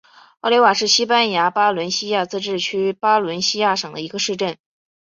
奥利瓦是西班牙巴伦西亚自治区巴伦西亚省的一个市镇。